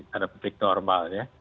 ada pabrik normal